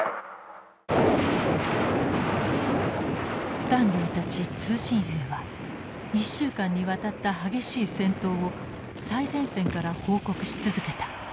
スタンリーたち通信兵は１週間にわたった激しい戦闘を最前線から報告し続けた。